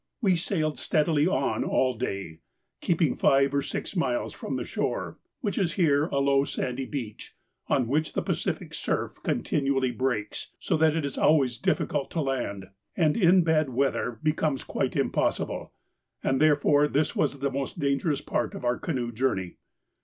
We sailed steadily on all day, keeping five or six miles from the shore, which is here a low sandy beach on which the Pacific surf continually breaks, so that it is always difficult to land, and in bad weather becomes quite impossible, and therefore this was the most dangerous part of our canoe journey.